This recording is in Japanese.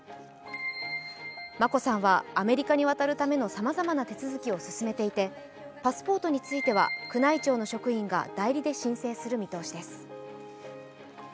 眞子さんはアメリカに渡るためのさまざまな手続きを進めていてパスポートについては宮内庁の職員が代理で申請する見通しです。